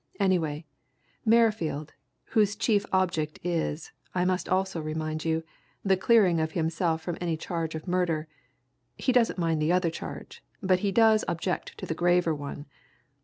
Anyway, Merrifield whose chief object is, I must also remind you, the clearing of himself from any charge of murder he doesn't mind the other charge, but he does object to the graver one!